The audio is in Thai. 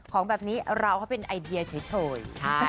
ของแบบนี้เราให้เป็นไอเดียเฉย